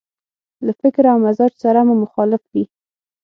له فکر او مزاج سره مو مخالف وي.